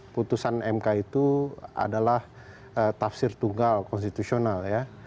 putusan mk itu adalah tafsir tunggal konstitusional ya